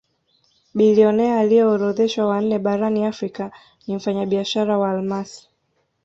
Bilionea aliyeorodheshwa wa nne barani Afrika ni mfanyabiashara wa almasi